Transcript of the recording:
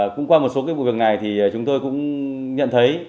cũng qua một số cái vụ việc này thì chúng tôi cũng nhận thấy